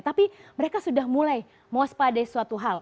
tapi mereka sudah mulai mewaspadai suatu hal